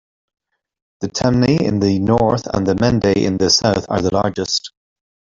The Temne in the north and the Mende in the South are the largest.